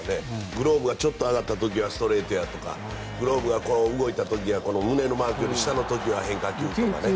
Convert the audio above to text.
グローブがちょっと上がった時はストレートとかグローブがちょっと動いた時は胸のマークより下の時は変化球というね。